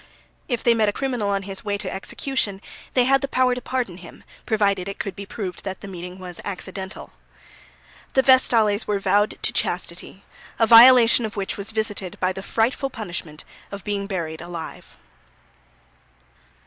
If they met a criminal on his way to execution they had the power to pardon him, provided it could be proved that the meeting was accidental. The Vestales were vowed to chastity, a violation of which was visited by the frightful punishment of being buried alive.